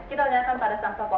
kita akan menyalakan pada toko